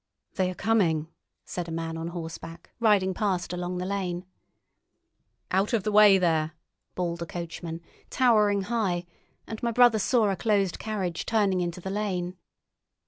"They are coming," said a man on horseback, riding past along the lane. "Out of the way, there!" bawled a coachman, towering high; and my brother saw a closed carriage turning into the lane.